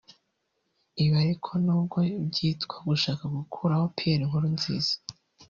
Ibi ariko n’ubwo byitwa gushaka gukuraho Pierre Nkurunziza